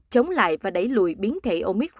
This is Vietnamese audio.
chống lại và đẩy lùi biến thể omicron